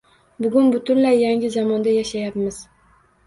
Bugun butunlay yangi zamonda yashayapmiz.